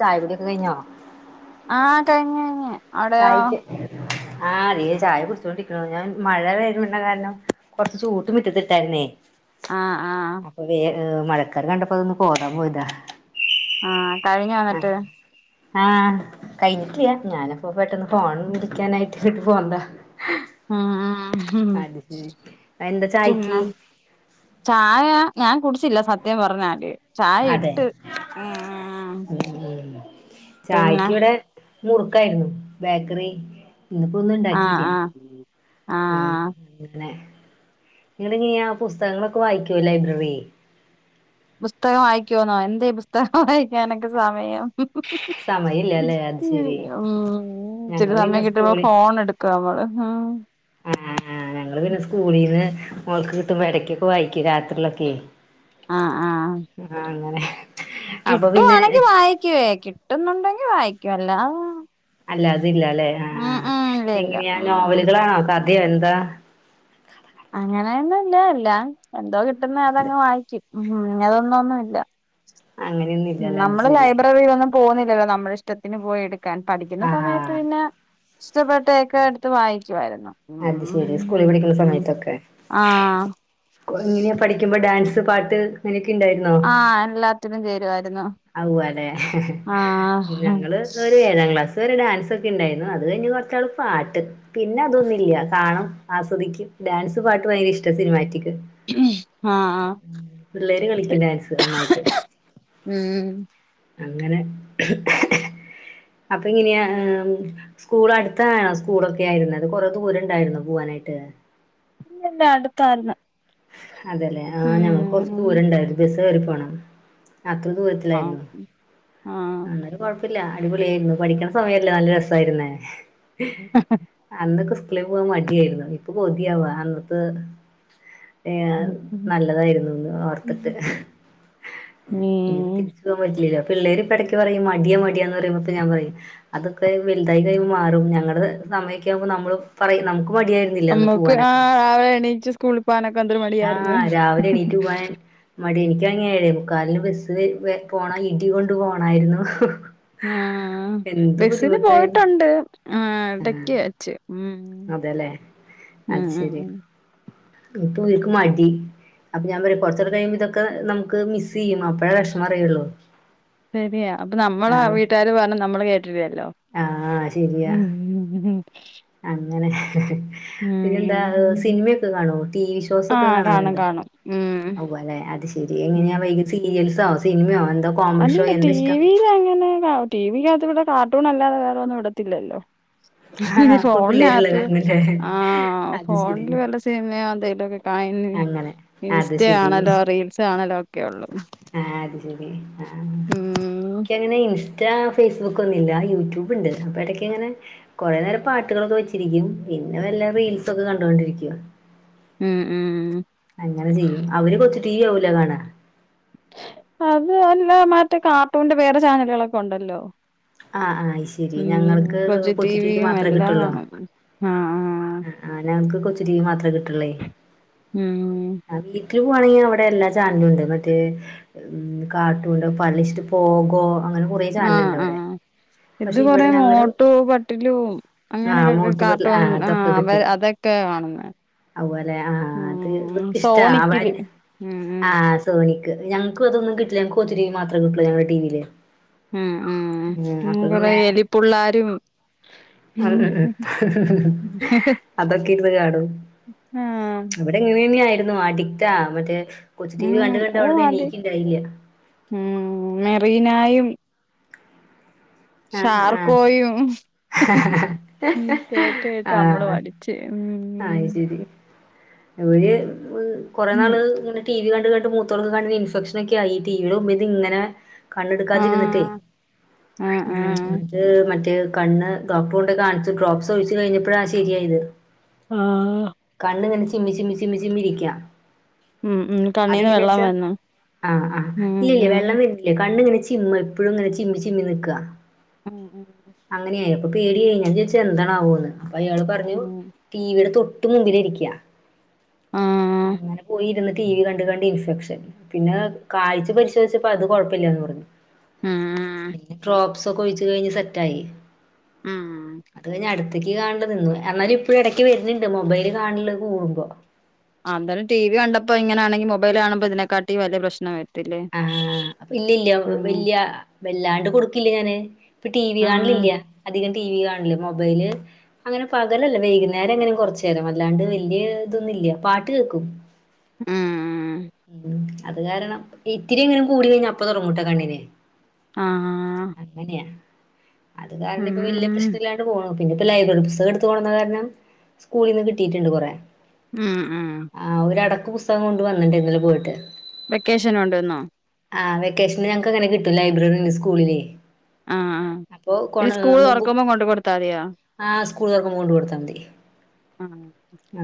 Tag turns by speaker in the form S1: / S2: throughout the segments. S1: ചായ കുടിയൊക്കെ കയിഞ്ഞോ
S2: ആഹ് കഴിഞ്ഞ് കഴിഞ്ഞ് അവിടെയോ
S1: ചായ്ക്ക് ആഹ് [unintelligible] ചായ കുടിച്ചോണ്ടിരിക്കണൊള്ളൂ ഞാൻ മഴ വരുന്നുണ്ട കാരണം കൊറച്ചു ചൂട്ടു മിറ്റത്തിട്ടായിരുന്നേ
S2: ആഹ് ആഹ്
S1: അപ്പൊ വേ മഴക്കാര് കണ്ടപ്പോ അതൊന്നും പോരാ പോയിതാ
S2: ആഹ് കഴിഞ്ഞോ എന്നിട്ട്
S1: ആഹ് കഴിഞ്ഞിട്ടില്ലാ ഞാന് അപ്പോ പെട്ടെന്ന് ഫോൺ വിളിക്കാനായിട്ട് പെട്ടന്ന് പോന്നതാ
S2: ആഹ് ആഹ്
S1: അത് ശരി എന്താ ചായക്ക്
S2: ചായ ഞാൻ കുടിച്ചില്ല സത്യം പറഞ്ഞാല് ചായ
S1: അതെ
S2: ഇട്ട്
S1: ഉം
S2: പിന്നെ
S1: ചായക്ക് ഇവിടെ മുറുക്കായിരുന്നു ബേക്കറി ഇന്നിപ്പോ ഒന്നും
S2: ആഹ്
S1: ഉണ്ടാക്കില്ല
S2: ആഹ്
S1: ആഹ് ങ്ങനെ നിങ്ങള് ഇനിയാ പുസ്തകങ്ങളൊക്കെ വായിക്കുവോ ലൈബ്രറി
S2: പുസ്തകം വായിക്കോന്നോ എന്തേ പുസ്തകം വായിക്കാനൊക്കെ സമയം
S1: സമയല്ലല്ലേ അത് ശരി
S2: ഉം ഇച്ചിരി
S1: ഞങ്ങള് പിന്നെ
S2: സമയം കിട്ടുമ്പോ
S1: സ്കൂളി
S2: ഫോൺ എടുക്ക ക്കാ നമ്മള്
S1: ആഹ് ഞങ്ങള് പിന്നെ സ്കൂളീന്ന് മോൾക്ക് കിട്ടുമ്പോ ഇടക്കൊക്കെ വായിക്കും രാത്രിക്കൊക്കേ
S2: ആഹ് ആഹ്
S1: ആഹ് അങ്ങനെ അപ്പൊ പിന്നെ
S2: കിട്ടുവാണെങ്കി വായിക്കുവേ കിട്ടുന്നുണ്ടെങ്കി വായിക്കും അല്ലാ
S1: അല്ല അതില്ല അല്ലെ ആഹ്
S2: ഉം ഇല്ല ഇല്ല
S1: എങ്ങനെയാ
S2: ഉം
S1: നോവലുകളാണോ സദ്യയോ എന്താ
S2: അങ്ങനെയൊന്നും ഇല്ല അല്ല എന്തോ കിട്ടുന്ന അതങ്ങ് വായിക്കും ഉ ഇ അതൊന്നും ഒന്നുമ ഇല്ല
S1: അങ്ങനെയൊന്നുംല്ലല്ലേ അത്
S2: നമ്മള്
S1: ശരി
S2: ലൈബ്രറിയിലൊന്നും പോകുന്നില്ലല്ലോ നമ്മള ഇഷ്ടത്തിന് പോയി എടുക്കാൻ പഠിക്കുന്ന
S1: ആ
S2: സമയത്ത് പിന്നെ ഇഷ്ടപ്പെട്ടേക്കെ എടുത്ത് വാായിക്കുവായിരുന്നു
S1: അത് ശെരി സ്കൂളിൽ പിടിക്കുന്ന സമയത്തൊക്കെ
S2: ആഹ്
S1: ഇങ്ങനെയാ പഠിക്കുമ്പോ ഡാൻസ് പാട്ട് അങ്ങനൊക്കെ ഉണ്ടായിരുന്നോ
S2: ആ എല്ലാത്തിനും ചേരുവായിരുന്നു
S1: അ അല്ലെ
S2: ആഹ്
S1: ഞങ്ങള് ഒരു ഏഴാം ക്ലാസ് ഇ ഒരു ഡാൻസ ഒക്കെ ഉണ്ടായിരുന്നു അത് കഴിഞ് കുറച്ചു നാള് പാട്ട് പിന്നെ അതൊന്നുമില്ല കാണും ആസ്വദിക്കും ഡാൻസ് പാട്ട് ഭയങ്കര ഇഷ്ട സിനിമാറ്റിക്
S2: ആഹ്
S1: പിള്ളേര് കളിക്കും ഡാൻസ് നന്നായിട്ട്
S2: ഉം
S1: അങ്ങനെ അപ്പൊ ഇങ്ങനെയാ സ്കൂൾ അടുത്താണോ സ്കൂളൊക്കെ ആയിരുന്നത് കൊറെ ദൂരം ഉണ്ടായിരുന്നു പോവാനായിട്ട്
S2: ഇല്ലല്ല അടുത്തായിരുന്ന്
S1: അതെല്ലേ ആ ഞങ്ങക്ക് കുറച്ച് ദൂരംണ്ടായിരുന്നു ബസ് കയറി പോണം അത്ര ദൂര
S2: ആഹ് ആഹ്
S1: അന്നേരം കുഴപ്പില്ല അടിപൊളിയ ആയിരുന്നു പഠിക്കണ സമയല്ലേ നല്ല രസായിരുന്നേ
S2: ഉ
S1: അന്നൊക്കെ സ്കൂളിൽ പോകവാൻ മടിയായിരുന്നു ഇപ്പൊ മതിയാവാ അന്നത്തെ നല്ലതായിരുന്നുന്ന് ഓർത്തിട്ട് ഇ
S2: ഉം
S1: തിരിച്ച ൻ പറ്റില്ല പ പിള്ളേര് ഇടക്ക് പറയും മടിയ മടിയ എന്ന് പറയുമ്പപ്പോ ഞാൻപറയും അതൊക്കെ വലുതായി കഴിയുമ്പോ മാറും ഞങ്ങളുടെ സമയൊക്കെകഴിയുമ്പോൾ നമ്മള് പറയും നമുക്ക് മടിയായി
S2: അമ്മക്ക് ആ രാവിലെ എണീച്ച് സ്കൂളിൽ പോവാനൊക്കെ എന്തരു മടിയായിരുന്നു
S1: ആഹ് രാവിലെ എണീറ്റ് പോവാൻ മടി എനിക്കങ്ങായി എഴേ മുക്കാലിന് ബസ്സ് പോണ ഇടി കൊണ്ട് പോണായിരുന്നു
S2: ആഹ
S1: എന്ത്
S2: ബസിന്
S1: ബുദ്ധിമുട്ടായിരുന്നു
S2: പോയിട്ടുണ്ട് ആ
S1: ആഹ്
S2: ഇടക്ക്വെച്ച് ഉ
S1: അതെല്ലേ അത് ശരി ഓല്ക് മടി അപ്പൊ ഞാൻ പറയാ കുറച്ചടെ കഴിയുമ്പോ ഇതക്കെ നമുക്ക് മിസ് ചെയ്യും അപ്പഴേ വിഷമം അറിയുള്ളൂ
S2: ശരിയാണ് അപ്പം നമ്മളാ
S1: ആഹ്
S2: വീട്ടുകാർ പറഞ്ഞാൽ നമ്മൾ കേട്ടില്ലല്ലോ
S1: ആഹ് ശരിയാ
S2: ഉം
S1: അങ്ങനെ പിന്നെ എന്താ
S2: ഉം
S1: സിനിമയൊക്കെ കാണോ ടി വി ഷോസ്
S2: ആ
S1: ഒക്കെ
S2: കാണും
S1: കാണാറുണ്ടോ
S2: കാണും ഉം
S1: ഓ അല്ലെ അത് ശെരി
S2: ഉം
S1: എങ്ങനെയാ വൈക സീരിയൽസോ സിനിമയോ എന്തോ
S2: അല്ല ടിവിയിൽ അങ്ങനെ ടിവിക്കകത്ത് ഇവിടെ കാർട്ടൂൺ അല്ലാതെ വേറെ ഒന്നും ഇടത്തില്ലല്ലോ ഇനി
S1: ആഹ് കു പിള്ളേരുള്ള
S2: ഫോണിനകത്ത്
S1: കാരണല്ലേ
S2: ആഹ്
S1: അത് ശരി
S2: ഫോണില് വല്ല സിനിമയോ എന്തെങ്കലുമൊക്കെ കാണലോ
S1: അങ്ങനെ അത്
S2: ഇൻസ്റ്റ
S1: ശരി
S2: കാണലോ റീൽസ് കാണലോ ഒക്കെ ഉള്ളൂ
S1: ആഹ് അത് ശരി ആഹ്
S2: ഉം
S1: എക്ക് അങ്ങനെ ഇൻസ്റ്റ ഫേസ്ബുക്ക് ഒന്നും ഇല്ല യൂട്യൂബ് ഉണ്ട് അപ്പൊ ഇടക്ക അങ്ങനെ കുറെേ നേരം പാട്ടുകളൊക്കെ വെച്ചിരിക്കും പിന്നെ വല്ല റീൽസ് ഒക്കെ കണ്ടുകൊണ്ടിരിക്കും
S2: ഉം ഉം ഉം
S1: അങ്ങനെ ചെയ്യും അവര് കൊച്ചി ടിവി ആവൂലെ കാണാ
S2: അത് അല്ല മറ്റേ കാർട്ടൂണിന്റെ വേറെ ചാനലുകളൊക്കെ ഉണ്ടല്ലോ
S1: ആഹ് ആഹ് അത് ശരി
S2: ഉം ഉം
S1: ഞങ്ങൾക്ക്
S2: കൊച്ച്
S1: കൊച്ചു ടി വി
S2: ടിവിയും
S1: മാത്രമേ
S2: എല്ലാം
S1: കിട്ടുള്ളൂ
S2: കാണും ആഹ്
S1: ആഹ് ഞങ്ങൾക്ക് കൊച്ചു ടിവി മാത്രേ കിട്ട്ള്ളേ
S2: ഉം ഉം
S1: വീട്ടിൽ പോകുവാണെങ്കിൽ അവിടെ എല്ലാ ചാനലും ഉണ്ട് മറ്റേ ഉം കാത്തുണ്ട് [unintelligible] പോഗ്ഗോ അങ്ങനെ കൊറേ ചാനല
S2: ആഹ്
S1: ഇണ്ട് അവിടെ
S2: ആഹ് ഇത്
S1: പക്ഷെ
S2: കൊറേ
S1: ഇവിടെ ഞങ്ങടെ
S2: മോട്ടു പത്ളൂ
S1: ആഹ്
S2: അങ്ങനൊക്കെ
S1: മോട്ടു പത്ലു
S2: കാർട്ടൂൺ ഇണ്ട് ആഹ് ഇവ അതൊക്കെ കാണുന്നേ
S1: അപോലെ ആഹ് അത് ഇവക്ക്ഷ്ടാ ആഹ്
S2: സോണിക്കില് ഉം ഉം
S1: ആഹ് സോണിക്ക് ഞങ്ങക്ക് അതൊന്നും കിട്ടില്ല നങ്ങക്ക് കൊച്ചു ടിവി മാത്രം കിട്ടുള്ളു ഞങ്ങളെ ടീവീല്
S2: ഉം ഉം കൊറെ എലിപ്പുള്ളാരും
S1: അതൊക്കെ ഇരുന്ന് കാണും
S2: ആ
S1: ഇവിടെങ്ങനന്നേ ആയിരുന്നു. അഡിക്റ്റാ. മറ്റേ കൊച്ചു ടി വി
S2: ഉം
S1: കണ്ട്
S2: അത്
S1: കണ്ട് അവിടന്ന്
S2: മതി
S1: എണീക്ക്ണ്ടായില്ല
S2: ഉം മെറീനായും
S1: ആഹ് ആഹ്
S2: ഷാർക്കോയും ഉം കേട്ട് കേട്ട് നമ്മള് പഠി ച്ച് ഉം..
S1: ആയ്ശരി ഇവര് കൊറെ
S2: ഉം
S1: നാള് ഇങ്ങനെ ടി വി കണ്ട് കണ്ട് മുത്തോൾക്കു കണ്ണിൽ ഇൻഫെക്ഷനൊക്കെ ആയി ടീവിടെ മുമ്പിതിങ്ങനെ
S2: ആ
S1: കണ്ണെടുക്കാതിരുന്നിട്ടേ
S2: ആ ആ
S1: ഉം ന്നിട്ട് മറ്റേ കണ്ണ് ഡോക്ടറെ കൊണ്ട് കാണിച്ചു ഡ്രോപ്സ് ഒഴിച്ച്കഴിഞ്ഞപ്പഴാ ശരിയായത്
S2: ആഹ്
S1: കണ്ണ്ങ്ങനെ ചിമ്മി ചിമ്മി ചിമ്മിചിമ്മി രിക്ക്യാ
S2: ഉം ഉം കണ്ണീന്ന് വെള്ളം
S1: അതെങ്ങനേച്ചാ
S2: വന്നു
S1: ആഹ് ആഹ്
S2: ഉം
S1: ഇല്ലല്ല
S2: ഉം
S1: വെള്ളം വര്ന്നി ല്ല കണ്ണ്ങ്ങനെ ചിമ്മ എപ്പഴുംങ്ങനെ ചിമ്മി ചിമ്മി നിക്ക
S2: ഉം ഉം
S1: അങ്ങനെയായി അപ്പൊ പേടിയായി ഞാൻ ചോദിച് എന്താണാവോന്ന് അപ്പൊ അയാൾ പറഞ്ഞു
S2: ഉം
S1: ടീവി ടെ തൊട്ട് മുമ്പില് ഇരിക്യാ
S2: ആഹ്
S1: അങ്ങനെ പോയിരുന്ന് ടീ വി കണ്ട് കണ്ട് ഇൻഫെക്ഷൻ. പിന്നെ കാഴ്ച്ച പരിശോധിച്ചപ്പോ അത് കൊഴപ്പല്ലന്ന് പറഞ്ഞു
S2: ഉം
S1: പിന്നെ ഡ്രോപ്പ്സൊക്കെ ഒഴിച്ച് കഴിഞ്ഞ് സെറ്റായി.
S2: ഉം
S1: അത് കഴിഞ് അടു ത്തക്ക് കാണല് നിന്ന്. എന്നാലും ഇപ്പോ എടക്ക് വരുന്നുണ്ട് മൊബൈല് കാണല് കൂടുമ്പോ
S2: ആഹ് എന്തായാലും ടി വി കണ്ടപ്പോ ഇങ്ങനൊണെങ്കി മൊബൈൽ കാണുമ്പോ ഇതിനെക്കാട്ടീ വലിയ പ്രശ്ന വരും
S1: ആഹ് ഇല്ലല്ല വല്യ വല്ലാണ്ട് കൊടുക്കില്യ ഞാന് ഇപ്പൊ ടി വി
S2: ആഹ്
S1: കാണലില്യ. അധികം ടി വി കാണില്യ. മൊബൈല് അങ്ങനെ പകലല്ല. വൈകുന്നേരം ങ്ങനെ കൊർച്ചേരം. അല്ലാണ്ട് വല്യ തൊന്നുല്യ. പാട്ട് കേക്കും
S2: ഉം
S1: ഉം അത് കാരണം ഇത്തിരി എങ്ങാനും കൂടി കഴിഞ്ഞാ അപ്പ തൊടങ്ങുട്ടോ കണ്ണിന്
S2: ആആഹ്
S1: അങ്ങനെയ. അത് കാരണം ഇപ്പോ വല്യ പ്രശ് നല്ലാണ്ട് പോണു. പിന്നെപ്പോ ലൈബ്രറി പുസ്തകം എടുത്ത് കൊടുന്ന കാരണം സ്കൂൾന്ന് കിട്ടിട്ടുണ്ട് കൊറെ
S2: ഉം ഉം
S1: ആഹ്‌ ഒരടക്ക് പുസ്തകം കൊണ്ട് വന്നിണ്ട് ന്നലെ പോയിട്ട്
S2: വെക്കേഷൻ ഉണ്ടെന്നോ
S1: ആഹ്‌ വെക്കേഷന് ഞങ്ങക്കങ്ങനെ കിട്ടും. ലൈബ്രറിന്ന് സ്കൂളിലെ
S2: ആഹ് ആഹ്
S1: അപ്പൊ കൊണ
S2: ഇനി സ്കൂൾ
S1: മുമ്പ്
S2: തുറക്കുമ്പോ കൊണ്ട് കൊടുത്താ മതിയോ
S1: ആഹ്‌ സ്കൂള് തൊറക്കുമ്പോ കൊണ്ട് കൊടുത്താ മതി
S2: ആഹ്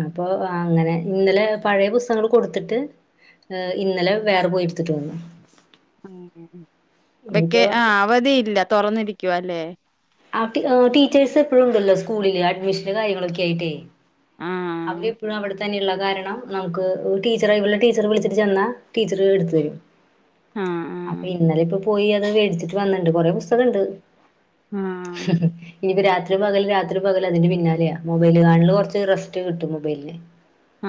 S1: അപ്പൊ അങ്ങനെ, ഇന്നലെ പഴേ പുസ്തകങ്ങൾ കൊടുത്തിട്ട് ഏഹ്‌ ഇന്നലെ വേറെ പോയിട്ത്ത്ട്ട് വന്നു
S2: ഉം ഉം ഉം വെക്കേ
S1: ഇനിയിപ്പോ
S2: ആ അവധിയില്ല തൊറന്നിരിക്കുവല്ലേ
S1: ആ ടീ ഓഹ്‌ ടീച്ചേഴ്സെപ്പഴും ഉണ്ടല്ലോ സ്കൂളി, ല് അഡ്മിഷന്റെ കാര്യങ്ങളൊക്കെ ആയിട്ടേയ്
S2: ആഹ്
S1: അവരെപ്പഴും അവടെ തന്നെയുള്ള കാരണം നമുക്ക് ടീച്ചറേ ഇവളെ ടീച്ചറെ വിളിച്ചിട്ട് ചെന്നാ ടീച്ചറ് എടുത്ത് തരും
S2: ആഹ്
S1: അപ്പൊ ഇന്നലെപ്പൊ പോയി അത് വേടിച്ചിട്ട് വന്നിണ്ട്. കൊറേ പുസ്തകണ്ട് ഹ്
S2: ആഹ്
S1: ഉം ഇനിയിപ്പൊ രാത്രി പകല് രാത്രി പകൽ അതിന്റെ പിന്നാലെയ മൊബൈൽ കാണലിനു കുറച്ച് റസ്റ്റ് കിട്ടും മൊബൈലിന്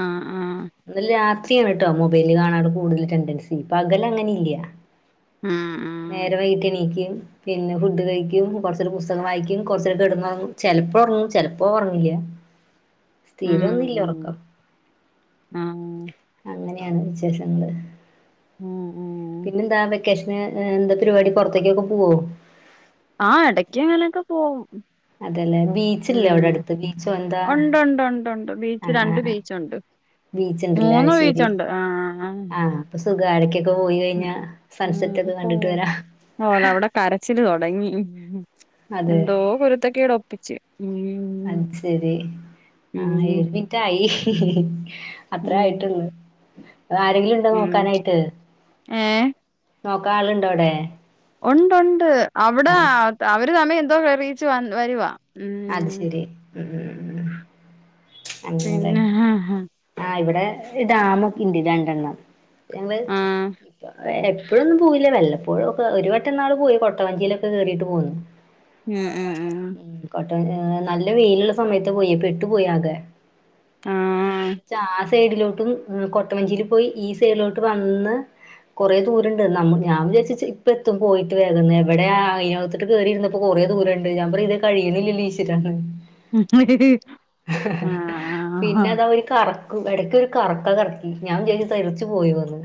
S2: ആഹ്‌ ആഹ്‌
S1: ന്നൽ രാത്രിയാണ്ട്ടോ മൊബൈല് കാണാള്ള കൂടുതൽ ടെൻഡൻസി പകലങ്ങനെ ഇല്ല
S2: ഉം ഉം
S1: നേരെ വൈകിട്ട് എണീക്കും പിന്നെ ഫുഡ് കഴിക്കും. കൊർച്ചരം പുസ്തകം വായിക്കും കൊർച്ചരം കെടന്നൊർങ്ങും ചെലപ്പോ ഒർങ്ങും ചെലപ്പോ ഒർങ്ങില്ല.
S2: ഉം
S1: സ്ഥിരം
S2: ഉം
S1: ഒന്നില്ല
S2: ഉം
S1: ഒർക്കം.
S2: ആഹ്
S1: അങ്ങനെയാണ് വിശേഷങ്ങൾ.
S2: ഉം ഉം
S1: പിന്നെന്താ വെ ക്കേഷൻ എന്താ പരിപാടി പോർത്തേക്കൊക്കെ പോവോ?
S2: ആഹ് എടയ്ക്ക് ഇങ്ങനെക്കെ പോവും.
S1: അതല്ലേ ബീച്ചില്ലേ അവിടെ
S2: ഉം
S1: അടുത്ത് ബീച്ചോ എന്താ
S2: ഉണ്ട് ഉണ്ട് ഉണ്ട് ഉണ്ട്
S1: ആ
S2: ബീച്ച്
S1: ആ
S2: രണ്ട് ബീച്ചുണ്ട്.
S1: ബീച്ച് ഉണ്ടല്ലേ
S2: മൂന്ന് ബീച്ചുണ്ട് ആഹ്
S1: സുഖാണ് എടക്കൊക്കെ പോയികഴിഞ്ഞാ
S2: ഉം
S1: സൺസെറ്റൊക്കെ കണ്ടിട്ട്
S2: പോവും
S1: വരാ.
S2: ഓലെ അവിടെ കരച്ചില് തൊടങ്ങി.
S1: അതെ
S2: എന്തോ കുരുത്തക്കേട് ഒപ്പിച്ച് ഉം
S1: അത് ആഹ്
S2: ഉം
S1: എര് വി റ്റായി അത്ര
S2: ഉം
S1: ആയിട്ടുള്ള് ആരെങ്കിലും ടെ
S2: ഉം
S1: നോക്കാനായിട്ട്
S2: ഏഹ്
S1: നോക്കാ ആള്ണ്ട അഒടെ?
S2: ഉണ്ട് ഉണ്ട് അവടെ ആഹ് അവര് തമ്മി എന്തോ എറിയിച്ചു വ വരുവാ.
S1: അഹ്
S2: ഉം
S1: ശരി ഉം അങ്ങതെ
S2: പിന്നെ ആഹ്
S1: ആഹ് ഇവടെ ഡാം ഒക്കെ ഇണ്ട് രണ്ടണ്ണം. ഞങ്ങള് ഇപ്പ എപ്പഴൊന്നും പോവില്ല വല്ലപ്പ പ്പോഴൊക്കെ ഒരു വട്ടം ന്നാൾ പോയി കൊട്ട വഞ്ചിയിലൊക്കെ കേറീട്ട് പോന്ന്.
S2: ഞ്ഞ ഹേ ഹേ ഹ്
S1: കൊട്ട വഞ്ചി ഹ് നല്ല വെയില്ള്ള സമയത്ത് പോയി പെട്ടുപോയി ആകെ. ചാസ് സൈഡിലോട്ടും ഹ് കൊട്ടവഞ്ചിയിൽ പോയി ഈ സൈഡിലോട്ട് വന്ന് കൊറേ ദൂരണ്ട് നമ്മ ഞാൻ വിചാര്ച്ച് ഇപ്പ എത്തും പോയിട്ട് വേകം ന്ന് എവടെ ആയിനകത്ത് ന്ന്ട്ട് കേറിര്ന്നപ്പോ കൊറേ ദൂരണ്ട് ഞാൻ പറിം ഇത് കഴ്യ്ന്നില്ലല്ലേ ഈശ്വരാന്ന്.
S2: ഉം ആഹ്
S1: പിന്നെ
S2: ആഹ്
S1: അതാ ഒരു കറ ക്കും എടക്ക് ഒരു കറക്കം കറക്കി ഞാൻ കെര് തെറിച്ചു പോയോന്ന്.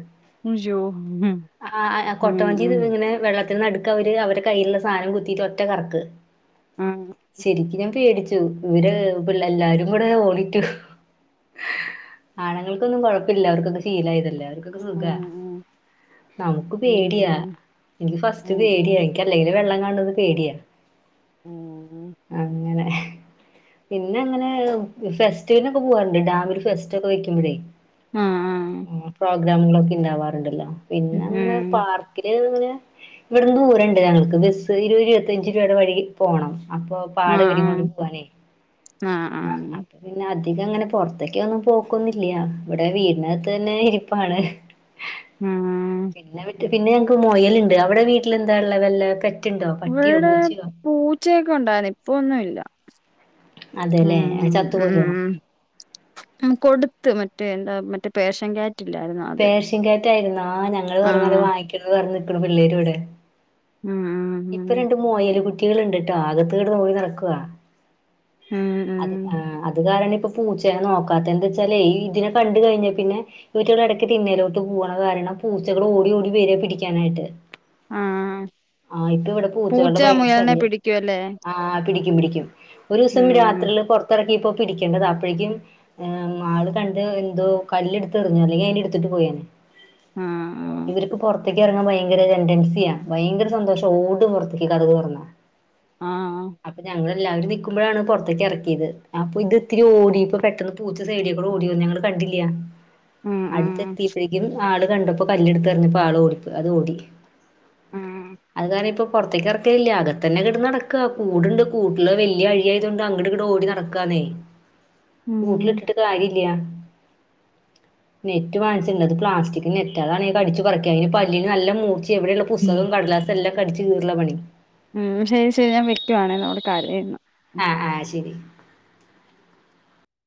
S2: അയ്യോ
S1: അഹ് ആഹ്
S2: ഉം
S1: കൊട്ടവഞ്ചിത്
S2: ഉം
S1: ഇങ്ങനെ വെള്ളത്തിന്നട്ക്ക് അവര് അവര കയ്യിലുള്ള സാനം കുത്തിയിട്ട് ഒറ്റ കറക്ക്.
S2: ആഹ്
S1: ശരിക്ക് ഞാൻ പേടിച്ചു ഇവര് പിള്ള എല്ലാരും കൂടെ ഓളിട്ടു. ആണുങ്ങൾക്കൊന്നും കൊഴപ്പല്ല അവർക്കൊക്കെ ശീലം ആയതല്ലേ അവർക്കൊക്കെ സുഖ.
S2: ആഹ് ആഹ്
S1: നമുക്ക് പേട്യാ എനിക്ക് ഫസ്റ്റ് പേടിയായി നിക്ക് അല്ലെങ്കിലും വെള്ളം കാണുന്നത് പേട്യാ.
S2: ഉം ഉം
S1: അങ്ങനെ പിന്നെ അങ്ങനെ ഫെസ്റ്റിവൽ ഒക്കെ പോവാറുണ്ട് ഡാമിൽ ഫെസ്റ്റ് ഒക്കെ വെക്കുമ്പഴേ.
S2: ആഹ് ആഹ് ആഹ് ആഹ്
S1: ഉം പ്രോഗ്രാമുകളൊക്കെ ഇണ്ടാവാറ്ണ്ടല്ലോ പിന്നെ അങ്ങനെ പാർ കിന്നെ അഹ് ങ്ങനെ ഇവട്ന്ന് ദൂരണ്ട് ഞങ്ങൾക്ക് ബസ്സ് ഇരുപ ഇരുപത്തഞ്ച് രൂപയുടെ വഴി പോണം. അപ്പൊ പാട്
S2: ആഹ്
S1: വിരി കൊണ്ട് പോവാനേ
S2: ആഹ് ആഹ്
S1: [unintelligible] അപ്പ്. പിന്നെ അധികം അങ്ങനെ പൊർത്തേക്ക ഒന്നും പോക്കൊന്നില്ല ഇവടെ വീടിനകത്ത് തന്നെ ഇരിപ്പാണ്.
S2: ന്ന
S1: പിന്നെ വിട്ട് പിന്നെ ഞങ്ങക്ക് മൊയൽണ്ട്. അവടെ വീട്ടിൽ ന്താ ള്ളെ വല്ല പെറ്റ്ണ്ടോ പട്ടിയോ പൂച്ചയോ?
S2: ച്ചയക്കെ ഉണ്ടായിന്ന് ഇപ്പൊന്നുല്ല
S1: അതെല്ലേ
S2: ഉം
S1: ചത്തുപോയോ
S2: ഉം മ് കൊട്ത്ത് മറ്റേ എന്താ മറ്റേ പേഷം കേറ്റില്ലായിരുന്നോ അത്.
S1: ങ്കേറ്റ ആയിര്ന്നോ ഞങ്ങള് [unintelligible]
S2: ആഹ്
S1: വാങ്ങിക്കണന്ന് പർഞ്ഞ നിക്ക്ണ പിള്ളേര് ഇവടെ.
S2: ആഹ്
S1: ഇപ്പ രണ്ട് മോയൽ കുട്ട്യൾ ണ്ട്ട്ടോ ആകത്ത്കട്ന്ന് [unintelligible] നട്ക്കുവ.
S2: ഉം ഉം
S1: അഹ് ആഹ് അത് കാരണം ഇപ്പ പൂച്ചെനെ നോക്കാത്ത എന്താ ച്ചാല് ഈ ഇതിനെ കണ്ട് കഴിഞ്ഞാൽ പിന്നെ ഇവറ്റടെ എടക്ക് തിന്നലോട്ട് പോവണ കാരണം പൂച്ചകൾ ഓടി ഓടി വരെ പിടിക്കാനായിട്ട്.
S2: ആഹ്
S1: ആഹ് ഇപ്പ ഇവിടെ പൂച്ചകളുടെ
S2: പൂച്ച
S1: ഭയങ്കര
S2: മുയലിനെ
S1: ശല്യ
S2: പിടിക്കുവല്ലേ
S1: ആഹ് പിടിക്കും പിടിക്കും ഒരു ദിവസം
S2: ഉം
S1: രാത്രിയില് ഇത്തിറക്കി ഇപ്പോ പിടിക്കെണ്ടത് അപ്പോഴേക്കും് ആള് കണ്ട് എന്തോ കല്ലടുത്ത്റിഞ്ഞോ അല്ലെങ്കിൽ അതിടു ത്തിട്ട് പോയാണ്
S2: ആഹ്
S1: ഇവർക്ക് പുറത്തേക്ക് ഇറങ്ങാൻ ഭയങ്കര ടെന്റൻസിയാ ഭയങ്കര സന്തോഷം ഓടും പുറത്തേക്ക് കടക്റ
S2: ആഹ് ആഹ്
S1: അപ്പൊ ഞങ്ങള് എല്ലാവർ നിക്കുമ്പോഴാണ് പുറത്തേക്ക് ഇറക്കിയത് അപ്പൊ ഇത്ത്തിരി ഓടിപ്പോ പെട്ട പൂച്ച സൈഡിയൊക്കൂ ഓടി ഞങ്ങള് കണ്ടില്ല
S2: ഉം ഉം
S1: അടുത്തെത്തിയപ്പോഴേക്കും ആള് കണ്ടപ്പോ കല്ല് എടുത്ത്റിഞ്ഞപ്പോ ആള് ഓടി് അത് ഓടി
S2: ഉം
S1: അത് കാര ഇപ്പൊ പുറത്തേക്ക് ഇറക്കല്ലേ അകത്തന്നെ ഇട നടക്ക കൂടുണ്ട് കൂട്ടില് വല്ല്യ അഴിയ ആയതുകൊണ്ട് അങ്ങട്ട ഇട്ട് ഓടി നടക്കാന്നെ
S2: ഉം
S1: കൂട്ടിലിട്ടിട്ട് കാര്യല്ല നെറ്റ് മാച്ചിണ്ടത് പ്ലാസ്റ്റിക്ക് നെറ്റ അതണെ കടിച്ച് പറക്ക അതി പല്ലിന് നല്ല മൂറിച്ച എവിടെയ
S2: ഉം
S1: പുസ്തകം കടലാസം എല്ലാം കടിച്ച് കീറല പണി
S2: ഉം ശരി ശരി ഞാൻ വെക്കുവാണേ അവള് കരയ്ന്ന്
S1: ആഹ് ആഹ് ശരി